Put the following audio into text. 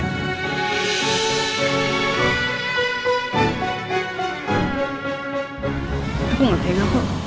aku gak kena kok